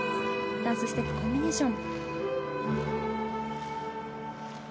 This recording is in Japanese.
ダンスステップコンビネーション。